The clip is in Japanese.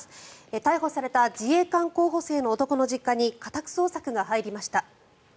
逮捕された自衛官候補生の男の実家に家宅捜索が入りました。